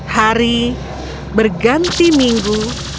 hari berganti minggu